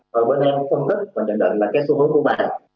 rồi bên em cũng thân thích và nhận định là cái xu hướng của bài